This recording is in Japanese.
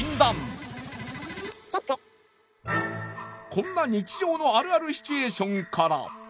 こんな日常のあるあるシチュエーションから。